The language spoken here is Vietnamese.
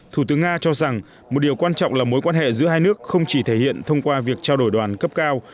thủ tướng nga cho rằng một điều quan trọng là mối quan hệ giữa hai nước không chỉ thể hiện thông qua việc trao đổi đoàn cấp cao